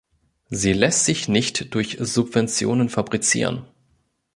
Sie lässt sich nicht durch Subventionen fabrizieren.